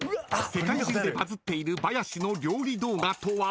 世界中でバズっているバヤシの料理動画とは］